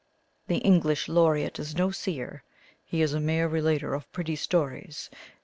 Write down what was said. The English Laureate is no seer: he is a mere relater of pretty stories.